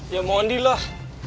ya mohon di lah